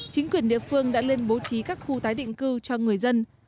chính quyền địa phương đã lên bố trí các khu tái định cư cho người dân